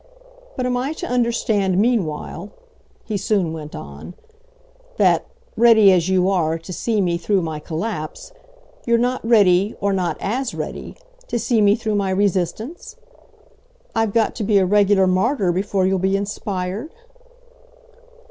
But am I to understand meanwhile," he soon went on, "that, ready as you are to see me through my collapse, you're not ready, or not AS ready, to see me through my resistance? I've got to be a regular martyr before you'll be inspired?"